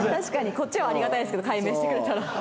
こっちはありがたいですけど改名してくれたら。